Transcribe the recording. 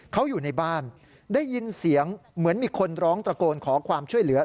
เขาอยู่ในบ้านได้ยินเสียงเหมือนมีคนร้องตะโกนขอความช่วยเหลือ